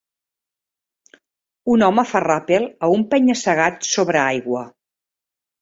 Un home fa ràpel a un penya-segat sobre aigua